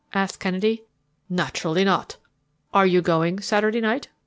asked Kennedy. "Naturally not." "Are you going Saturday night?"